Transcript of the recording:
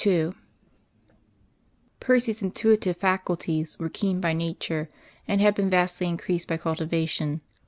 II Percy's intuitive faculties were keen by nature and had been vastly increased by cultivation.